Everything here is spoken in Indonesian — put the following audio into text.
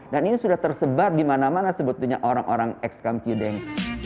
dan ini sudah tersebar di mana mana sebetulnya orang orang ex kem cideng